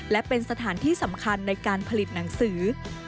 และเป็นสถานที่สำคัญในการผลิตหนังสือ